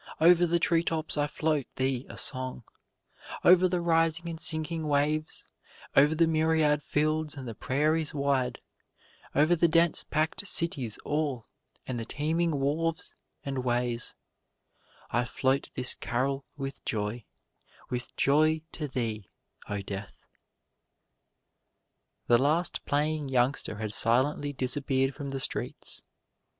Over the tree tops I float thee a song, Over the rising and sinking waves, over the myriad fields and the prairies wide, Over the dense packed cities all, and the teeming wharves, and ways, I float this carol with joy, with joy to thee, O Death." The last playing youngster had silently disappeared from the streets.